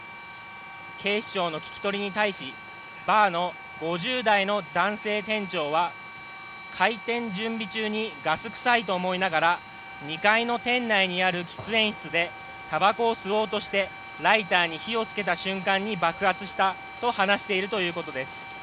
警視庁の聞き取りに対し、バーの５０代の男性店長は開店準備中にガス臭いと思いながら２階の店内にある喫煙室でたばこを吸おうとしてライターに火をつけた瞬間に爆発したと話しているということです。